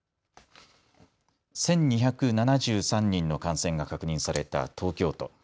１２７３人の感染が確認された東京都。